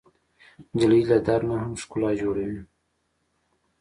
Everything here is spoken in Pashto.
نجلۍ له درد نه هم ښکلا جوړوي.